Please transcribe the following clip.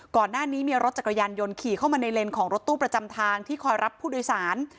ก่อนหน้านี้มีรถจักรยานยนต์ขี่เข้ามาในเลนส์ของรถตู้ประจำทางที่คอยรับผู้โดยสาร